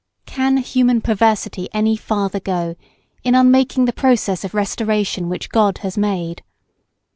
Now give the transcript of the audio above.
Can human perversity any farther go, in unmaking the process of restoration which God has made?